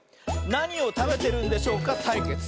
「なにをたべてるんでしょうかたいけつ」！